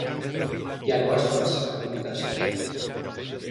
Iago Aspas apunta a Xetafe.